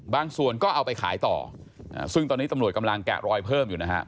ส่วนก็เอาไปขายต่อซึ่งตอนนี้ตำรวจกำลังแกะรอยเพิ่มอยู่นะฮะ